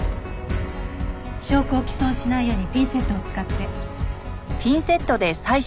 証拠を毀損しないようにピンセットを使って。